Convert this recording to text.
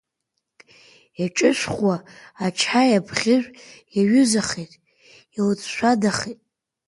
Иҿышәхуа ачаи абӷьыжә иаҩызахеит, илҵшәадахеит.